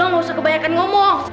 lu gak usah kebanyakan ngomong